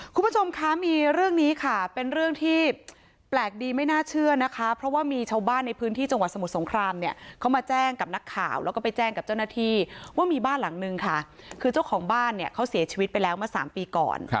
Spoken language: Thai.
คุณผู้ชมคะมีเรื่องนี้ค่ะเป็นเรื่องที่แปลกดีไม่น่าเชื่อนะคะเพราะว่ามีชาวบ้านในพื้นที่จังหวัดสมุทรสงครามเนี่ยเขามาแจ้งกับนักข่าวแล้วก็ไปแจ้งกับเจ้าหน้าที่ว่ามีบ้านหลังนึงค่ะคือเจ้าของบ้านเนี่ยเขาเสียชีวิตไปแล้วเมื่อสามปีก่อน